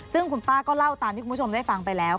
ซึ่งคุณป้าก็เล่าตามที่คุณผู้ชมได้ฟังไปแล้ว